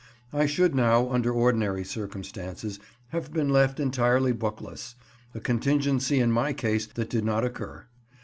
I should now, under ordinary circumstances, have been left entirely bookless—a contingency in my case that did not occur.